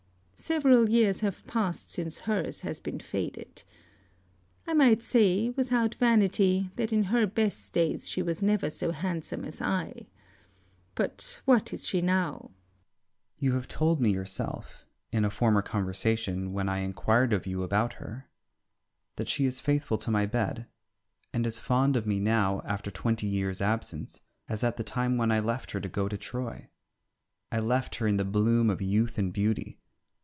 Several years have passed since hers has been faded. I might say, without vanity, that in her best days she was never so handsome as I. But what is she now? Ulysses. You have told me yourself, in a former conversation, when I inquired of you about her, that she is faithful to my bed, and as fond of me now, after twenty years' absence, as at the time when I left her to go to Troy. I left her in the bloom of youth and beauty.